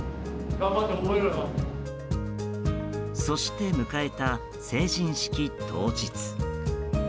そして、迎えた成人式当日。